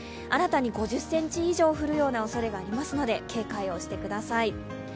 新たに５０ｃｍ以上降るようなおそれがありますので警戒してください。